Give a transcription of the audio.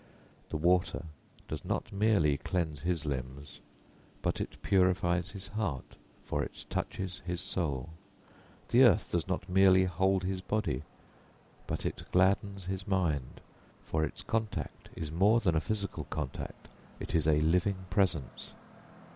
The water does not merely cleanse his limbs, but it purifies his heart; for it touches his soul. The earth does not merely hold his body, but it gladdens his mind; for its contact is more than a physical contact it is a living presence.